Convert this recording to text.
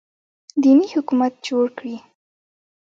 دیني حکومت جوړ کړي